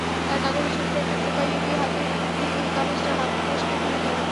তার কাগজে ছোট্ট একটা টোকাই এঁকে হাতে দিতেই কাগজটা হাতফসকে পড়ে গেল।